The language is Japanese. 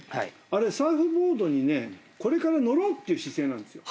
あれサーフボードにこれから乗ろうっていう姿勢なんですよ。